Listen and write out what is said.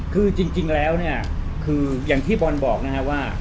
คือจริงแล้วเนี่ยคืออย่างที่บอลบอกนะครับว่า